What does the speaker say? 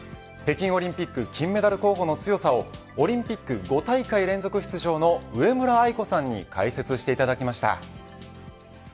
北京オリンピック金メダル候補の強さをオリンピック５大会連続出場の上村愛子さんに解説していただきました。